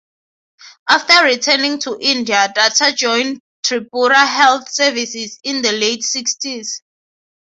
After returning to India Datta joined Tripura Health Services in the late sixties.